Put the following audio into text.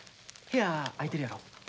部屋空いてるやろ。